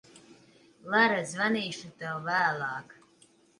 Lara, zvanīšu tev vēlāk.